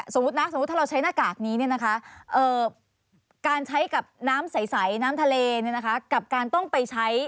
สมมุติถ้าเราใช้นักกากนี้